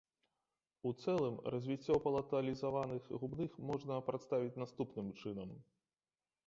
У цэлым развіццё палаталізаваных губных можна прадставіць наступным чынам.